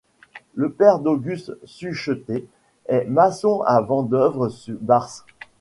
Le père d'Auguste Suchetet est maçon à Vendeuvre-sur-Barse.